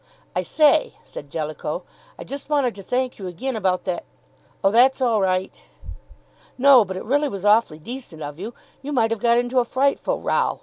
"I say," said Jellicoe, "I just wanted to thank you again about that " "Oh, that's all right." "No, but it really was awfully decent of you. You might have got into a frightful row.